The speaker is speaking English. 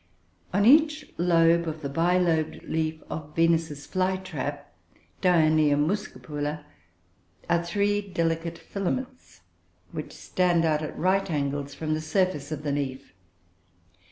On each lobe of the bilobed leaf of Venus's fly trap (Dionoea muscipula) are three delicate filaments which stand out at right angle from the surface of the leaf.